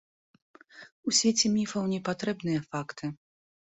У свеце міфаў не патрэбныя факты.